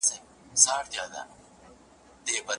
راپور نه دی بشپړ.